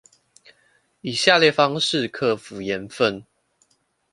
以下列方式克服鹽分